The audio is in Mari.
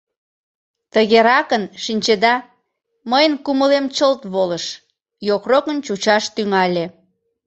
Тыгеракын, шинчеда, мыйын кумылем чылт волыш, йокрокын чучаш тӱҥале!